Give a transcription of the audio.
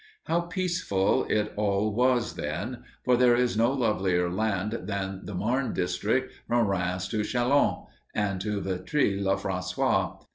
How peaceful it all was then, for there is no lovelier land than the Marne district from Rheims to Châlons and to Vitry le Francois.